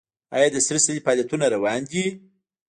آیا د سره صلیب فعالیتونه روان دي؟